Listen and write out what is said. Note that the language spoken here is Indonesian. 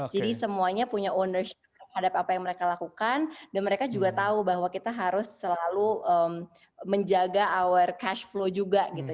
jadi semuanya punya ownership terhadap apa yang mereka lakukan dan mereka juga tahu bahwa kita harus selalu menjaga our cash flow juga gitu